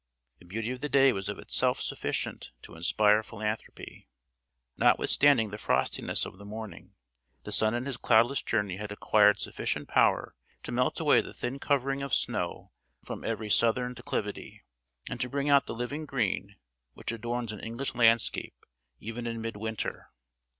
The beauty of the day was of itself sufficient to inspire philanthropy. Notwithstanding the frostiness of the morning, the sun in his cloudless journey had acquired sufficient power to melt away the thin covering of snow from every southern declivity, and to bring out the living green which adorns an English landscape even in mid winter.